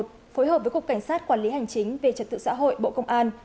phối hợp với cục cảnh sát quản lý hành chính về trật tự xã hội bộ công an